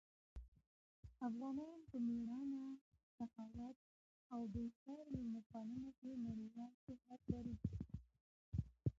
افغانان په مېړانه، سخاوت او بې ساري مېلمه پالنه کې نړیوال شهرت لري.